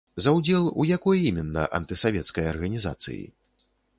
За ўдзел у якой іменна антысавецкай арганізацыі?